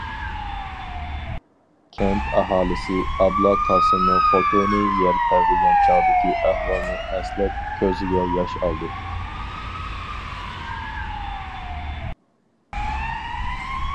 كەنت ئاھالىسى ئابلا قاسىمنىڭ خوتۇنى يەر تەۋرىگەن چاغدىكى ئەھۋالنى ئەسلەپ كۆزىگە ياش ئالدى.